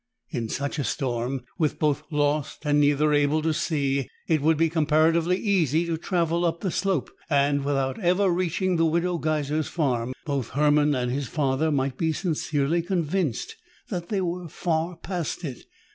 In such a storm, with both lost and neither able to see, it would be comparatively easy to travel up the slope, and, without ever reaching the Widow Geiser's farm, both Hermann and his father might be sincerely convinced that they were far past it.